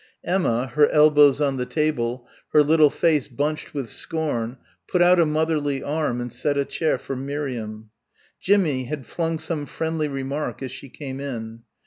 Emma, her elbows on the table, her little face bunched with scorn, put out a motherly arm and set a chair for Miriam. Jimmie had flung some friendly remark as she came in.